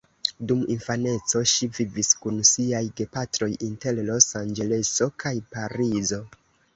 Dum infaneco ŝi vivis kun siaj gepatroj inter Los-Anĝeleso kaj Parizo.